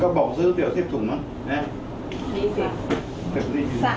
ก็บอกซื้อเดี๋ยว๑๐ถุงเนอะเนี่ย